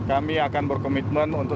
dan kami akan berkomitmen untuk